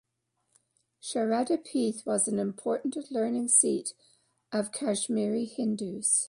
Sharada Peeth was an important learning seat of Kashmiri Hindus.